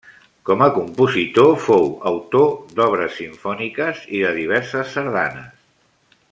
Com a compositor fou autor d'obres simfòniques i de diverses sardanes.